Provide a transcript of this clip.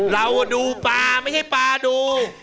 เราดูปลาไม่ใช่ปลาดู